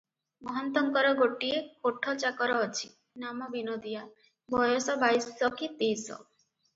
ମହନ୍ତଙ୍କର ଗୋଟିଏ କୋଠଚାକର ଅଛି, ନାମ ବିନୋଦିଆ- ବୟସ ବାଇଶ କି ତେଇଶ ।